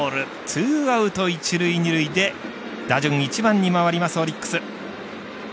ツーアウト、一塁、二塁で打順１番に回ります、オリックス。